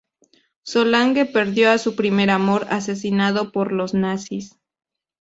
Solange perdió a su primer amor asesinado por los Nazis.